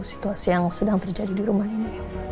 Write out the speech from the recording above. situasi yang sedang terjadi di rumah ini